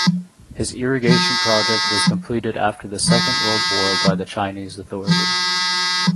His irrigation project was completed after the Second World War by the Chinese authorities.